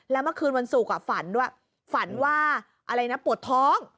แล้วเมื่อคืนวันศุกร์ฝันด้วยฝันว่าอะไรนะปวดท้อง